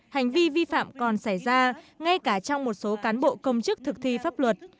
hành vi vi phạm còn xảy ra ngay cả trong một số cán bộ công chức thực thi pháp luật